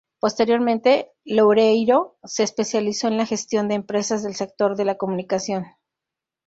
Posteriormente, Loureiro se especializó en la gestión de empresas del sector de la comunicación.